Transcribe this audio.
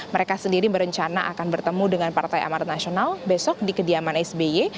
mereka sendiri berencana akan bertemu dengan partai amarat nasional besok di kediaman sby